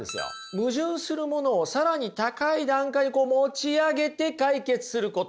矛盾するものを更に高い段階に持ち上げて解決すること。